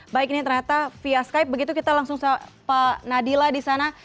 baik ini ternyata via skype begitu kita langsung pak nadila di sana